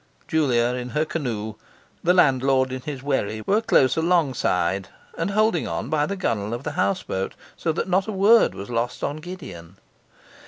Julia in her canoe, the landlord in his wherry, were close alongside, and holding on by the gunwale of the houseboat; so that not a word was lost on Gideon.